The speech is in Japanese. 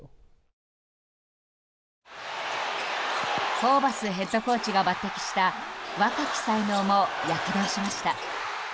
ホーバスヘッドコーチが抜擢した若き才能も躍動しました。